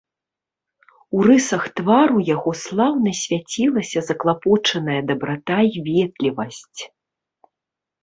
У рысах твару яго слаўна свяцілася заклапочаная дабрата і ветлівасць.